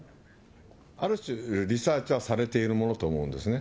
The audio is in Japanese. ある種、リサーチはされているものと思うんですね。